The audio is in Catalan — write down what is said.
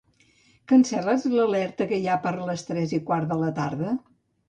Cancel·les l'alerta que hi ha per les tres i quart de la tarda?